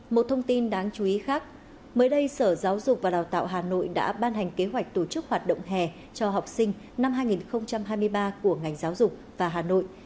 một thông tin đáng chú ý khác mới đây sở giáo dục và đào tạo hà nội đã ban hành kế hoạch tổ chức hoạt động hè cho học sinh năm hai nghìn hai mươi ba của ngành giáo dục và hà nội